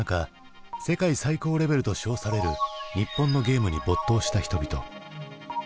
世界最高レベルと称される日本のゲームに没頭した人々。